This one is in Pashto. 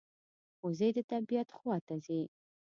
وزې د طبعیت خوا ته ځي